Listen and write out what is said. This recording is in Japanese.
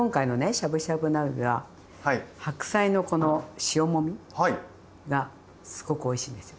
しゃぶしゃぶ鍋は白菜のこの塩もみがすごくおいしいんですよ。